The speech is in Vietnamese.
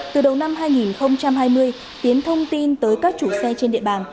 từ đầu năm hai nghìn hai mươi tiến thông tin tới các chủ xe trên địa bàn